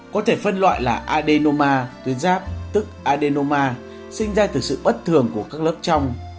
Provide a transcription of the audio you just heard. có thể phân loại là adenoma tuyến giáp tức adenoma sinh ra từ sự bất thường của các lớp trong